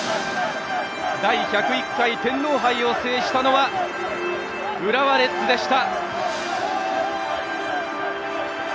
第１０１回天皇杯を制したのは浦和レッズでした！